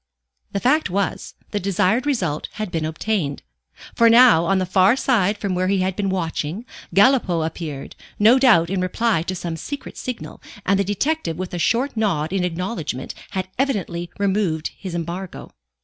The fact was, the desired result had been obtained. For now, on the far side from where he had been watching, Galipaud appeared, no doubt in reply to some secret signal, and the detective with a short nod in acknowledgment had evidently removed his embargo.